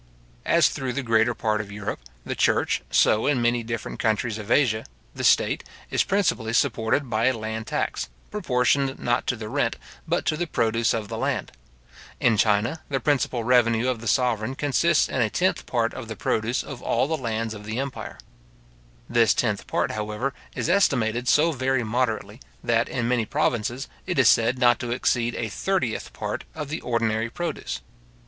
As through the greater part of Europe, the church, so in many different countries of Asia, the state, is principally supported by a land tax, proportioned not to the rent, but to the produce of the land. In China, the principal revenue of the sovereign consists in a tenth part of the produce of all the lands of the empire. This tenth part, however, is estimated so very moderately, that, in many provinces, it is said not to exceed a thirtieth part of the ordinary produce.